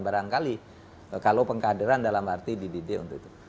barangkali kalau pengkaderan dalam arti dididik untuk itu